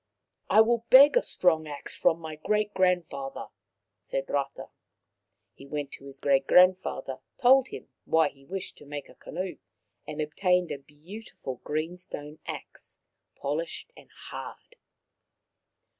" I will beg a strong axe from my great grand father/' said Rata. He went to his great grandfather, told him why he wished to make a canoe, and obtained a beautiful greenstone axe, polished and hard.